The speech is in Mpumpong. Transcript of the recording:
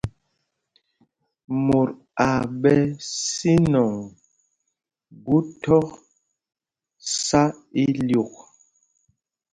Mot aa ɓɛ sínɔŋ gu thɔk sá ilyûk.